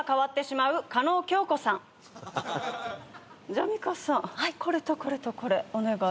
じゃあ美香さんこれとこれとこれお願いね。